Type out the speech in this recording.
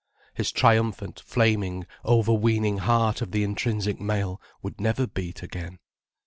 His triumphant, flaming, overweening heart of the intrinsic male would never beat again.